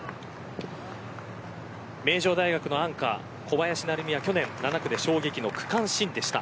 名城大学のアンカー小林成美は去年７区で衝撃の区間新でした。